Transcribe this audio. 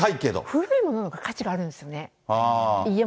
古いもののほうが価値があるんですよね。